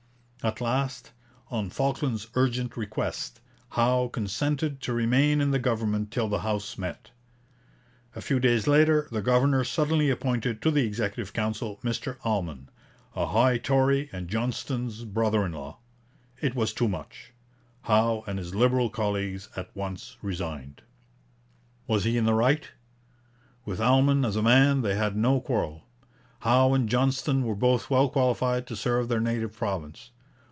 At last, on Falkland's urgent request, Howe consented to remain in the government till the House met. A few days later the governor suddenly appointed to the Executive Council Mr Almon, a high Tory and Johnston's brother in law. It was too much; Howe and his Liberal colleagues at once resigned. Was he in the right? With Almon as a man they had no quarrel. Howe and Johnston were both well qualified to serve their native province.